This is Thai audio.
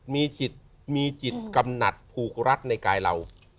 มีจิตกำหนัดผูกรัฐในกายเรา